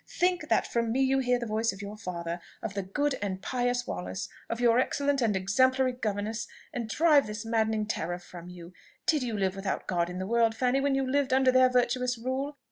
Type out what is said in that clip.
Think that from me you hear the voice of your father of the good and pious Wallace of your excellent and exemplary governess, and drive this maddening terror from you. Did you live without God in the world, Fanny, when you lived under their virtuous rule?